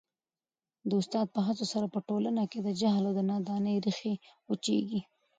د استاد په هڅو سره په ټولنه کي د جهل او نادانۍ ریښې وچیږي.